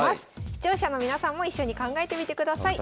視聴者の皆さんも一緒に考えてみてください。